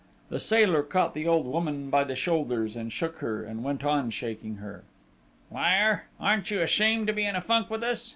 The Sailor caught the old woman by the shoulders and shook her, and went on shaking her. "Liar! Aren't you ashamed to be in a funk with us?...